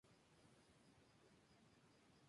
Entre los tres fácilmente ocuparon San Juan.